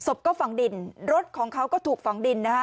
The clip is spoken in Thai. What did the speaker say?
ก็ฝังดินรถของเขาก็ถูกฝังดินนะคะ